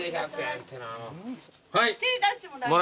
手出してもらえます？